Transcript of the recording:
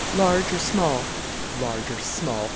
"Large or small?" "Large or small!